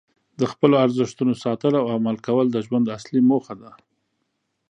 د خپلو ارزښتونو ساتل او عمل کول د ژوند اصلي موخه ده.